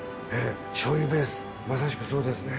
醤油ベースまさしくそうですね。